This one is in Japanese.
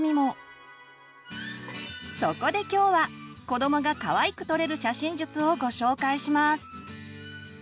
そこで今日は子どもがかわいく撮れる写真術をご紹介します！